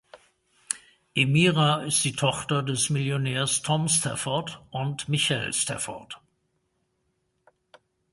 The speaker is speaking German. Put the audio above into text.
Emira ist die Tochter des Millionärs Tom Stafford und Michelle Stafford.